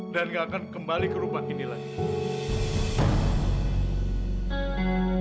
dan gak akan kembali ke rumah ini lagi